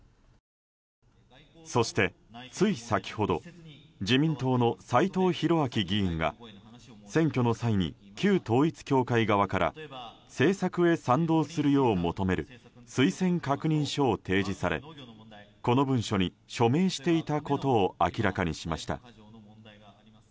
そして、つい先ほど自民党の斎藤洋明議員が選挙の際に旧統一教会側から政策へ賛同するよう求める推薦確認書を提示されこの文書に署名していたことを明らかにしました。